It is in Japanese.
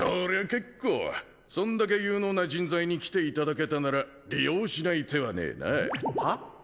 結構そんだけ有能な人材に来ていただけたなら利用しない手はねえなは？